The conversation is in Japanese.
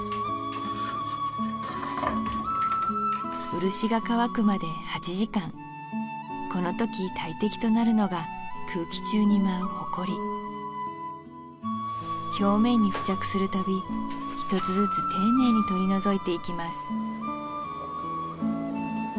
漆が乾くまで８時間このとき大敵となるのが空気中に舞うほこり表面に付着するたび一つずつ丁寧に取り除いていきます